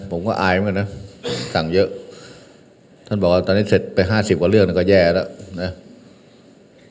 ผมก็อายเหมือนกันนะสั่งเยอะท่านบอกว่าตอนนี้เสร็จไปห้าสิบกว่าเรื่องนั้นก็แย่แล้วนะ